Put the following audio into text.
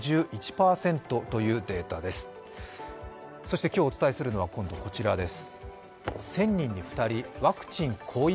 そして今日お伝えするのは、こちらです。